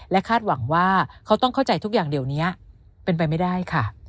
คาดหวังว่าเขาต้องเข้าใจทุกอย่างเดี๋ยวนี้เป็นไปไม่ได้ค่ะ